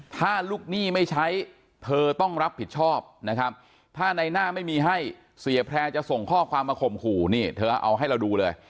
ถ้าลูกหนี้ไม่ใช้เธอต้องรับผิดชอบนะครับถ้าในหน้าไม่มีให้เสียแพร่จะส่งข้อความมาข่มขู่นี่เธอเอาให้เราดูเลย